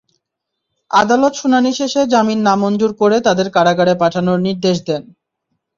আদালত শুনানি শেষে জামিন নামঞ্জুর করে তাঁদের কারাগারে পাঠানোর নির্দেশ দেন।